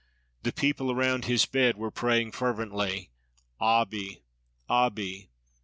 The people around his bed were praying fervently—Abi! Abi!